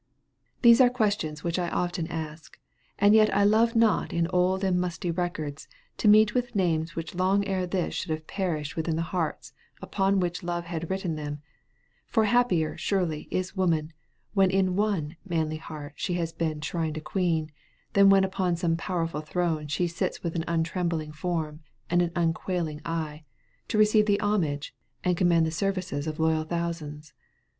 These are questions which I often ask, and yet I love not in old and musty records to meet with names which long ere this should have perished with the hearts upon which love had written them; for happier, surely, is woman, when in one manly heart she has been "shrined a queen," than when upon some powerful throne she sits with an untrembling form, and an unquailing eye, to receive the homage, and command the services of loyal thousands.